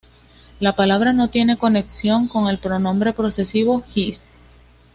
La palabra no tiene conexión con el pronombre posesivo "his".